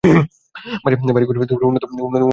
বাড়িঘরের উন্নত অবস্থা চোখে পড়ে।